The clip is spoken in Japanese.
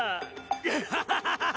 アハハハ。